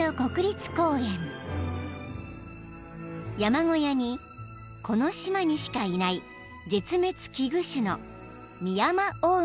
［山小屋にこの島にしかいない絶滅危惧種の］